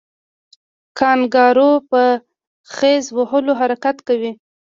کانګارو په خیز وهلو حرکت کوي